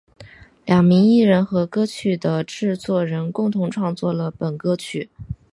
两名艺人和歌曲的制作人共同创作了本歌曲。